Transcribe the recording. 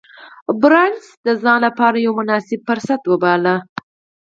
بارنس دا د ځان لپاره يو مناسب فرصت وباله.